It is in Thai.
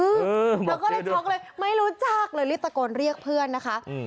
เธอก็เลยช็อกเลยไม่รู้จักเลยรีบตะโกนเรียกเพื่อนนะคะ